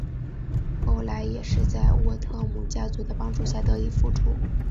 后来也是在沃特姆家族的帮助下得以复出。